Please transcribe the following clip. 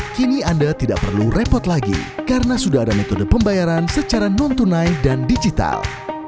kini anda tidak perlu repot lagi karena sudah ada metode pembayaran secara non tunai dan digital